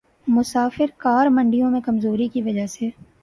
مسافر کار منڈیوں میں کمزوری کی وجہ سے